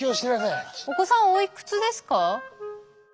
お子さんおいくつですか？